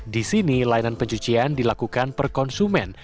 di sini layanan pencucian dilakukan per konsumen